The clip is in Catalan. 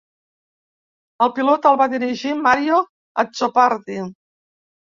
El pilot el va dirigir Mario Azzopardi.